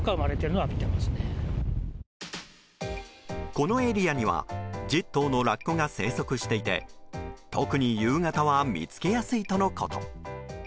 このエリアには１０頭のラッコが生息していて特に夕方は見つけやすいとのこと。